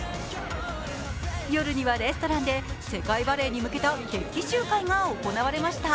夜にはレストランで世界バレーに向けた決起集会が行われました。